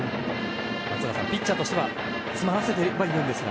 松坂さんピッチャーとしては詰まらせてはいるんですが。